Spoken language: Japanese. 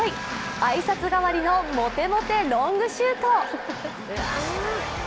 挨拶代わりのモテモテロングシュート。